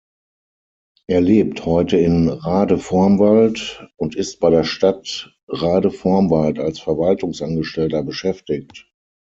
Er lebt heute in Radevormwald und ist bei der Stadt Radevormwald als Verwaltungsangestellter beschäftigt.